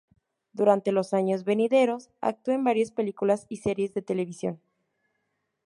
Durante los años venideros, actuó en varias películas y series de televisión.